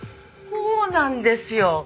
こうなんですよ。